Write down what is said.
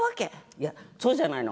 いやそうじゃないの。